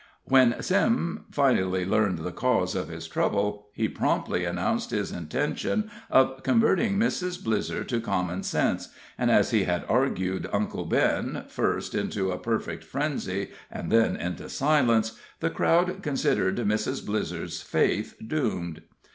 When Sim finally learned the cause of his trouble, he promptly announced his intention of converting Mrs. Blizzer to common sense, and as he had argued Uncle Ben, first into a perfect frenzy and then into silence, the crowd considered Mrs. Blizzer's faith doomed.